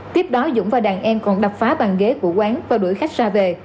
tiếp đó dũng và đàn em còn đập phá bàn ghế của quán và đuổi khách ra về